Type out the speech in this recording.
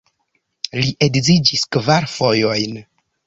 Li edziĝis kvar fojojn.